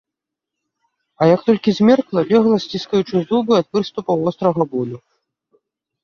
А як толькі змеркла, легла, сціскаючы зубы ад прыступаў вострага болю.